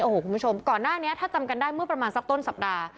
โอ้โหคุณผู้ชมก่อนหน้านี้ถ้าจำกันได้เมื่อประมาณสักต้นสัปดาห์